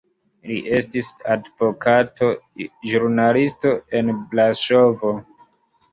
Li estis advokato, ĵurnalisto en Braŝovo.